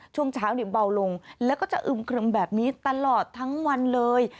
ช่วงเช้าเบาลงแล้วก็จะอึมครึมแบบนี้ตลอดทั้งวันเลย